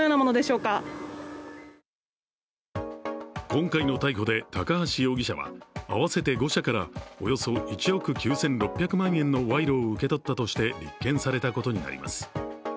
今回の逮捕で、高橋容疑者は合わせて５社からおよそ１億９６００万円の賄賂を受け取ったとして立件されたことになります。